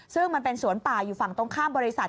ซึ่งมันเป็นสวนป่าอยู่ฝั่งตรงข้ามบริษัท